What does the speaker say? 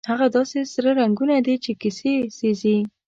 هغه داسې سره رنګونه دي چې کسي سېزي.